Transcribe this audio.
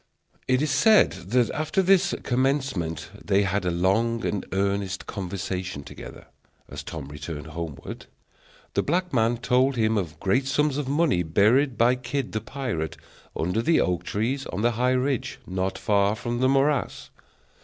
It is said that after this commencement they had a long and earnest conversation together, as Tom returned homeward. The black man told him of great sums of money buried by Kidd the pirate under the oak trees on the high ridge, not far from the morass.